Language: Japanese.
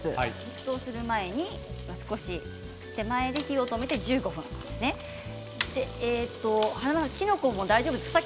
沸騰する前に手前に火を止めて１５分ということですね。